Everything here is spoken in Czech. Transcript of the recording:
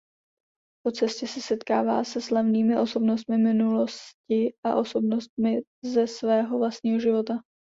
Po cestě se setkává se slavnými osobnostmi minulosti a osobnostmi ze svého vlastního života.